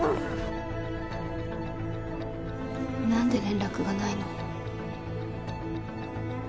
何で連絡がないの？